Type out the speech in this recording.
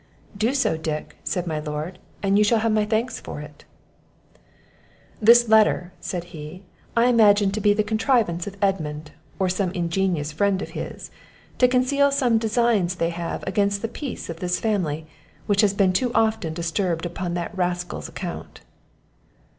"Do so, Dick," said my lord, "and you shall have my thanks for it." "This letter," said he, "I imagine to be the contrivance of Edmund, or some ingenious friend of his, to conceal some designs they have against the peace of this family, which has been too often disturbed upon that rascal's account."